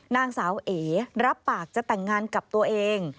นางสาวเอ๋รับปากจะแต่งงานกับตัวเอง